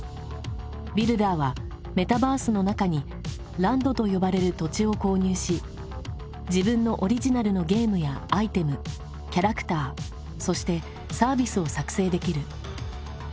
ビルダーはメタバースの中にランドと呼ばれる土地を購入し自分のオリジナルのゲームやアイテムキャラクターそしてサービスを作成できる。